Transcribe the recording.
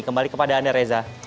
kembali kepada anda reza